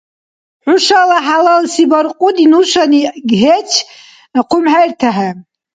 Хӏушала хӏялалси баркьуди нушани гьеч хъумхӏертехӏе.